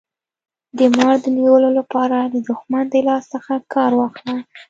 د مار د نیولو لپاره د دښمن د لاس څخه کار واخله.